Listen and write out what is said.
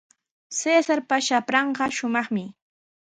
Cesarpa shapranqa shumaqmi.